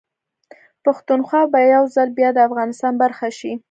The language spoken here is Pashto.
پښتونخوا به يوځل بيا ده افغانستان برخه شي